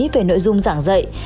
về nội dung giảng dạy